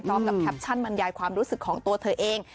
แคปชั่นบรรยายความรู้สึกของตัวเธอเอง